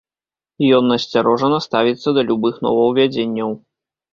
Ён насцярожана ставіцца да любых новаўвядзенняў.